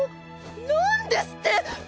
な何ですって！